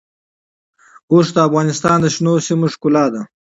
اوښ د افغانستان د شنو سیمو ښکلا ده.